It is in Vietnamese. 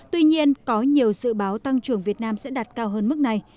tuy nhiên có nhiều dự báo tăng trưởng việt nam sẽ đạt cao hơn mức này